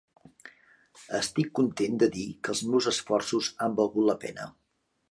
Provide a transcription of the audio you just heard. Estic content de dir que els meus esforços han valgut la pena.